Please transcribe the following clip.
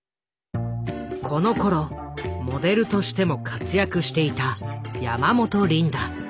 このころモデルとしても活躍していた山本リンダ。